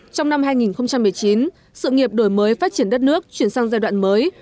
trong năm hai nghìn một mươi chín sự nghiệp đổi mới phát triển đất nước chuyển sang giai đoạn mới